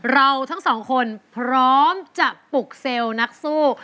เราทั้งสองคนพร้อมจะปลุกเซลล์นักสู้